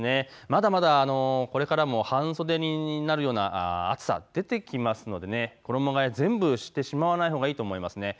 まだまだこれからも半袖になるような暑さが出てますので衣がえ、全部してしまわないほうがいいと思います。